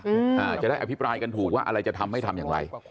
อืมเอากิจแลกอภิปรายถูกว่าอะไรจะทำให้ทำอย่างไร